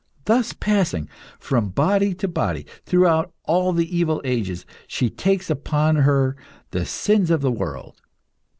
Thus, passing from body to body, throughout all the evil ages, she takes upon her the sins of the world.